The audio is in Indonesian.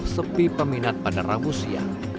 sepi peminat pada rahusia